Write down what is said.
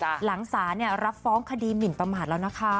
หลังศาลรับฟ้องคดีหมินประมาทแล้วนะคะ